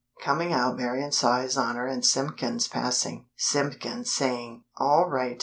Coming out Marian saw His Honor and Simpkins passing; Simpkins saying: "All right.